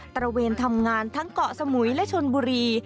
ระเวนทำงานทั้งเกาะสมุยและชนบุรี